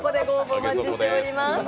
お待ちしております。